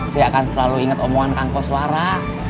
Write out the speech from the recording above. saya akan selalu inget omongan kangkos suara